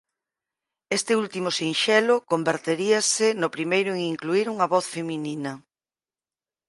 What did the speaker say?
Este último sinxelo converteríase no primeiro en incluír unha voz feminina.